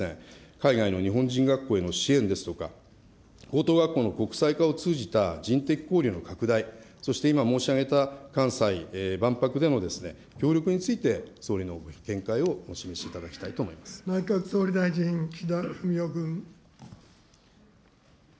海外の日本人学校への支援ですとか、高等学校の国際化を通じた、人的交流の拡大、そして今申し上げた関西万博での協力について総理のご見解をお示内閣総理大臣、岸田文雄君。